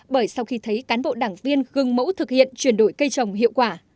bởi sau khi thấy cán bộ đảng viên gương mẫu thực hiện chuyển đổi cây trồng hiệu quả